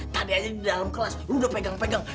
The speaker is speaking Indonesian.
tadi aja di dalam kelas lu udah pegang pegang